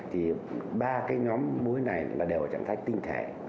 thì ba cái nhóm muối này là đều ở trạng thái tinh thể